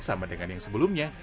sama dengan yang sebelumnya